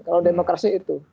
kalau demokrasi itu